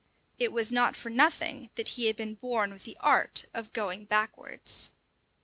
It was not for nothing that he had been born with the art of going backwards.